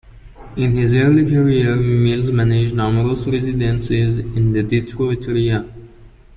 In his early career, Mills managed numerous residencies in the Detroit area.